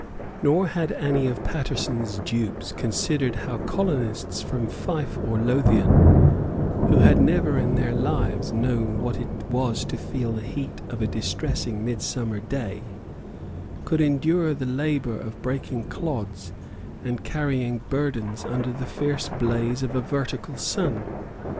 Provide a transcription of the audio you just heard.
Nor had any of Paterson's dupes considered how colonists from Fife or Lothian, who had never in their lives known what it was to feel the heat of a distressing midsummer day, could endure the labour of breaking clods and carrying burdens under the fierce blaze of a vertical sun.